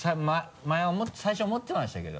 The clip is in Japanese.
前は最初は思ってましたけど。